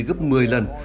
điều này gấp một mươi lần